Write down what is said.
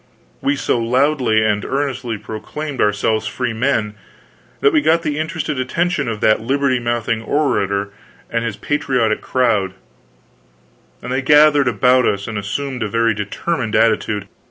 We so loudly and so earnestly proclaimed ourselves freemen, that we got the interested attention of that liberty mouthing orator and his patriotic crowd, and they gathered about us and assumed a very determined attitude.